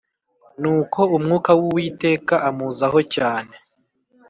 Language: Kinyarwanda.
Nuko umwuka w’Uwiteka amuzaho cyane